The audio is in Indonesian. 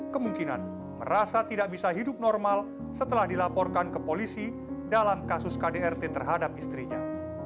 kemungkinan merasa tidak bisa hidup normal setelah dilaporkan ke polisi dalam kasus kdrt terhadap istrinya